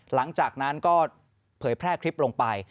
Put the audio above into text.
หลังจากนั้นก็เผยแพร่คลิปลงไป